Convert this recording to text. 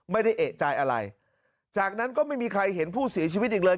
ไม่ได้เอกใจอะไรจากนั้นก็ไม่มีใครเห็นผู้เสียชีวิตอีกเลย